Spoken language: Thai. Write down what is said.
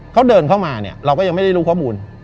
เขาเดินเข้ามาเนี่ยเราก็ยังไม่ได้รู้ข้อมูล